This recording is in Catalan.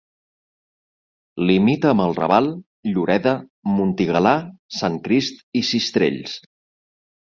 Limita amb El Raval, Lloreda, Montigalà Sant Crist i Sistrells.